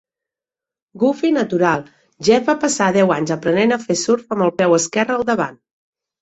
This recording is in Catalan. Gufi natural, Jeff va passar deu anys aprenent a fer surf amb el peu esquerre al davant.